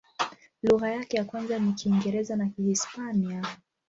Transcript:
Lugha yake ya kwanza ni Kiingereza na Kihispania.